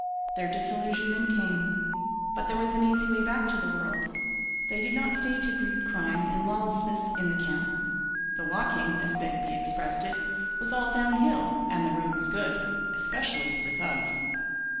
Their disillusionment came; but there was an easy way back to the world. They did not stay to breed crime and lawlessness in the camp. 'The walking' as Begbie expressed it 'was all down hill and the road was good, especially for thugs.'